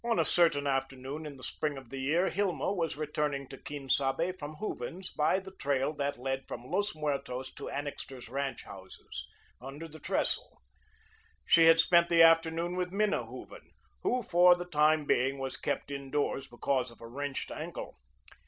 On a certain afternoon, in the spring of the year, Hilma was returning to Quien Sabe from Hooven's by the trail that led from Los Muertos to Annixter's ranch houses, under the trestle. She had spent the afternoon with Minna Hooven, who, for the time being, was kept indoors because of a wrenched ankle.